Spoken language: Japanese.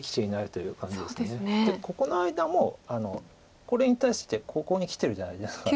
でここの間もこれに対してここにきてるじゃないですか。